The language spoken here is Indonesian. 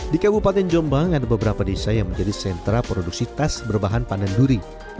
di kabupaten jombang ada beberapa desa yang menjadi sentra produksi tas berbahan pandan duri